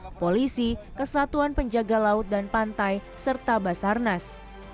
tni polisi kesatuan penjaga laut dan pantai serta basarnas